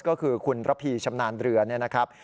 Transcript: ก็คือคุณระพีชำนาญเรือเนี่ยนะครับ